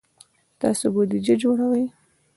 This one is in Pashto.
تاسو بودیجه جوړوئ؟